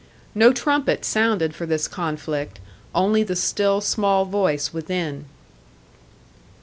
No trumpet sounded for this conflict, only the still small voice within.